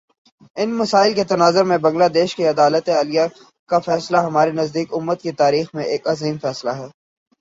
ان مسائل کے تناظر میں بنگلہ دیش کی عدالتِ عالیہ کا فیصلہ ہمارے نزدیک، امت کی تاریخ میں ایک عظیم فیصلہ ہے